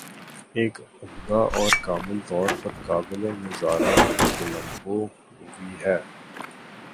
ایک عمدہ اور کامل طور پر قابل نظارہ کولمبو مووی ہے